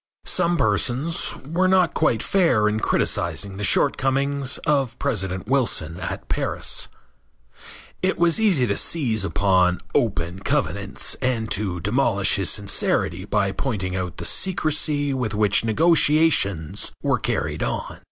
Some persons were not quite fair in criticizing the shortcomings of President Wilson at Paris. It was easy to seize upon "open covenants" and to demolish his sincerity by pointing out the secrecy with which negotiations were carried on.